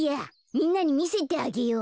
みんなにみせてあげよう。